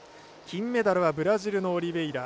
金メダルはブラジルのオリベイラ。